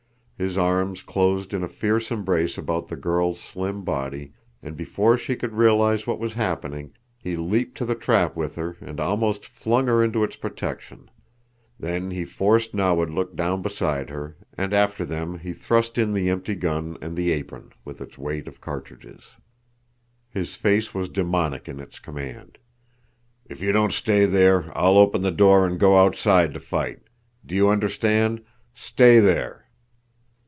His arms closed in a fierce embrace about the girl's slim body, and before she could realize what was happening, he leaped to the trap with her and almost flung her into its protection. Then he forced Nawadlook down beside her, and after them he thrust in the empty gun and the apron with its weight of cartridges. His face was demoniac in its command. "If you don't stay there, I'll open the door and go outside to fight! Do you understand? _Stay there!